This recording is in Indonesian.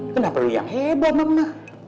kenapa lu yang heboh sama emak